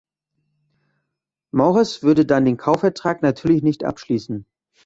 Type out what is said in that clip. Morris würde dann den Kaufvertrag natürlich nicht abschließen.